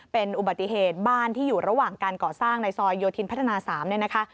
เป็นอุบัติเหตุบ้านที่อยู่ระหว่างการก่อสร้างในซอยโยธินพัฒนา๓เนี่ยนะคะ